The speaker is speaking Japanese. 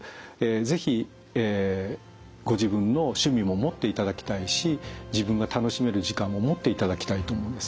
是非ご自分の趣味も持っていただきたいし自分が楽しめる時間も持っていただきたいと思うんです。